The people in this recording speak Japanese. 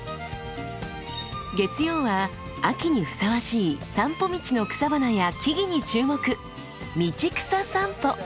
月曜は秋にふさわしい散歩道の草花や木々に注目「道草さんぽ」。